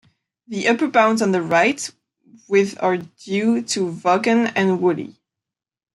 The upper bounds on the right with are due to Vaughan and Wooley.